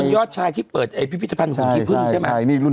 ยอดชายที่เปิดพิพิธภัณฑ์หุ่นขี้พึ่งใช่ไหม